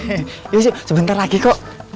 iya wessi sebentar lagi kok